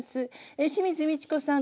清水ミチコさん